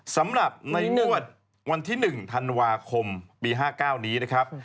สำหรับในงวดวันที่๑ธันวาคมปี๕๙นี้นะครับ